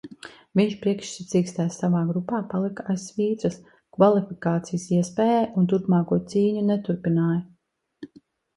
Viņš priekšsacīkstēs savā grupā palika aiz svītras kvalifikācijas iespējai un turpmāko cīņu neturpināja.